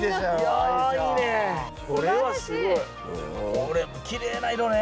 これきれいな色ね。